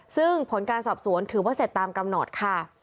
ซึ่งผลการสอบสวนถือว่าเสร็จตามกำหนดค่ะ